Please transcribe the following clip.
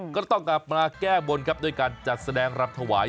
ก็ต้องกลับมาแก้บนครับด้วยการจัดแสดงรำถวาย